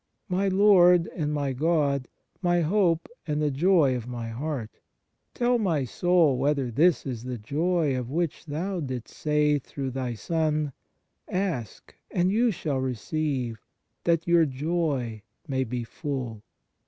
... My Lord and my God, my Hope and the Joy of my heart ! Tell my soul whether this is the joy of which Thou didst say through Thy Son: Ask, and you shall receive, that your joy may be full.